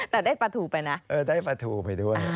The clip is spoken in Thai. แต่ได้ปลาทูไปนะ